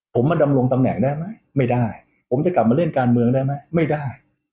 ผมมาดำรงตำแหน่งได้ไหมไม่ได้ผมจะกลับมาเล่นการเมืองได้ไหมไม่ได้